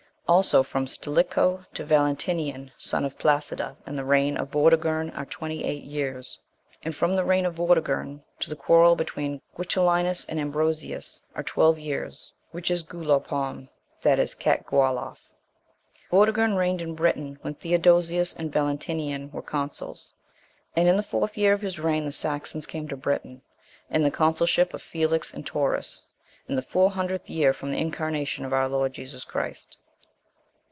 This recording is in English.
Also from Stilicho to Valentinian, son of Placida, and the reign of Vortigern, are twenty eight years. And from the reign of Vortigern to the quarrel between Guitolinus and Ambrosius, are twelve years, which is Guoloppum, that is Catgwaloph.* Vortigern reigned in Britain when Theodosius and Valentinian were consuls, and in the fourth year of his reign the Saxons came to Britain, in the consulship of Felix and Taurus, in the four hundredth year from the incarnation of our Lord Jesus Christ.